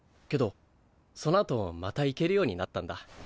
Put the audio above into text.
けどそのあとまた行けるようになったんだ。